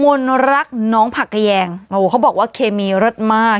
นรักน้องผักกระแยงโอ้โหเขาบอกว่าเคมีเลิศมาก